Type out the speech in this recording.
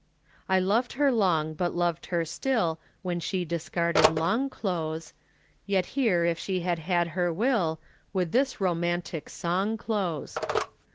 I loved her long but loved her still When she discarded long clothes, Yet here if she had had her will Would this romantic song close.